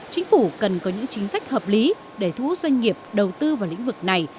chính phủ cần có những chính sách hợp lý để thu hút doanh nghiệp đầu tư vào lĩnh vực này